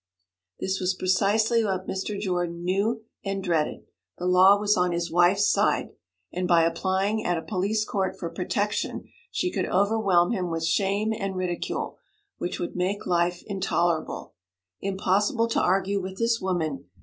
This was precisely what Mr. Jordan knew and dreaded; the law was on his wife's side, and by applying at a police court for protection she could overwhelm him with shame and ridicule, which would make life intolerable. Impossible to argue with this woman.